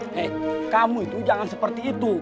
hei kamu itu jangan seperti itu